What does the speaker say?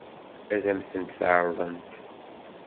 Ad m-tent-ɛeṛḍent?